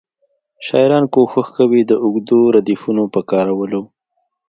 شاعران کوښښ کوي د اوږدو ردیفونو په کارولو.